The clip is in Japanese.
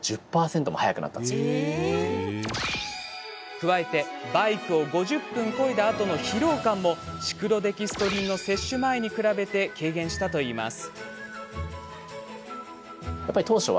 加えて、バイクを５０分こいだあとの疲労感もシクロデキストリンの摂取前に比べて軽減したといいます。